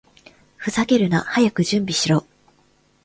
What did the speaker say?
ふざけるな！早く準備しろ！